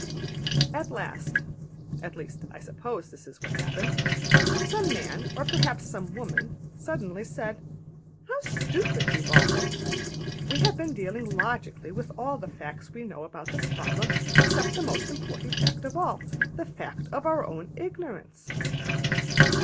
At last (at least I should suppose this is what happened) some man, or perhaps some woman, suddenly said: ``How stupid we've all been! We have been dealing logically with all the facts we knew about this problem, except the most important fact of all, the fact of our own ignorance.